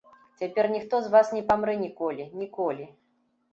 Цяпер ніхто з вас не памрэ ніколі, ніколі.